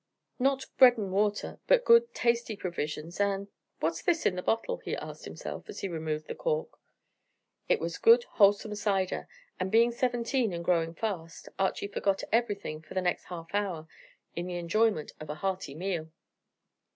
Not bread and water, but good tasty provisions, and "What's this in the bottle?" he asked himself, as he removed the cork. It was good wholesome cider, and being seventeen, and growing fast, Archy forgot everything for the next half hour in the enjoyment of a hearty meal.